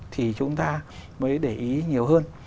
thì chúng ta mới để ý nhiều hơn